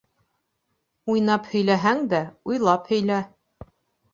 Уйнап һөйләһәң дә, уйлап һөйлә.